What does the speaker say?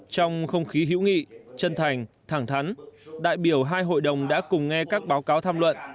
trong không khí hữu nghị chân thành thẳng thắn đại biểu hai hội đồng đã cùng nghe các báo cáo tham luận